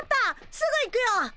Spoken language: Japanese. すぐ行くよ！